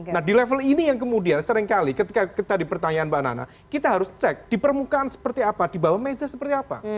nah di level ini yang kemudian seringkali ketika tadi pertanyaan mbak nana kita harus cek di permukaan seperti apa di bawah meja seperti apa